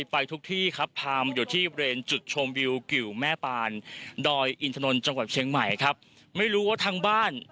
ไปเลยครับ